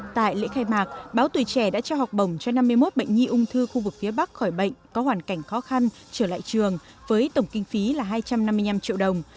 tại lễ khai mạc báo tùy trẻ đã trao học bổng cho năm mươi một bệnh nhi ung thư khu vực phía bắc khỏi bệnh có hoàn cảnh khó khăn trở lại trường với tổng kinh phí là hai trăm năm mươi năm triệu đồng